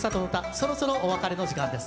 そろそろお別れの時間です。